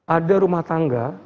ada rumah tangga